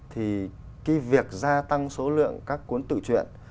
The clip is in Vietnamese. thì cái việc gia tăng số lượng các cuốn tự truyện